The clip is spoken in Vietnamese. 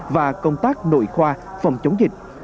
và công tác nội khoa phòng chống dịch